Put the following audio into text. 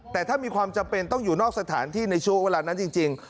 แต่ถ้ามีความจำเป็นต้องอยู่นอกสถานที่ในช่วงเวลานั้นจริง